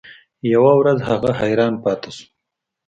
یوه ورځ هغه حیران پاتې شو.